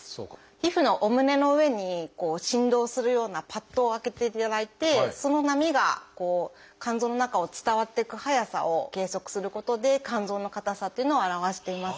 皮膚のお胸の上にこう振動するようなパッドを当てていただいてその波が肝臓の中を伝わっていく速さを計測することで肝臓の硬さっていうのを表しています。